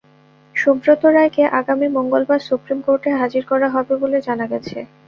সুব্রত রায়কে আগামী মঙ্গলবার সুপ্রিম কোর্টে হাজির করা হবে বলে জানা গেছে।